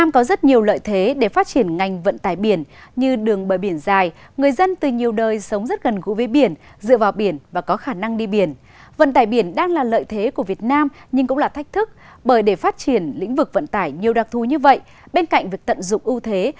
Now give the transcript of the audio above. các bạn hãy đăng ký kênh để ủng hộ kênh của chúng mình nhé